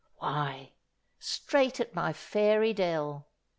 Why, straight at my fairy dell!